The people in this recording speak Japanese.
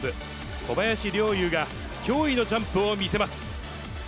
小林陵侑が驚異のジャンプを見せます。